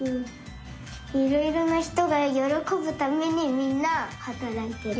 いろいろなひとがよろこぶためにみんなはたらいてる。